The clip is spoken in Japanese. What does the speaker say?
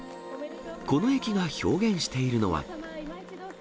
この駅が表現しているのは。